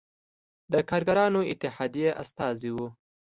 د کارګرانو اتحادیې استازی و.